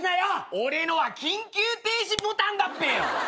俺のは緊急停止ボタンだっぺよ！